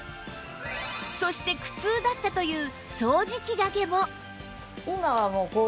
そして苦痛だったという掃除機がけも